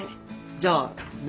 じゃあめ